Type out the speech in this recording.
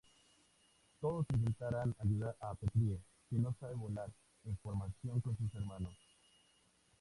Todos intentarán ayudar a Petrie que no sabe volar en formación con sus hermanos.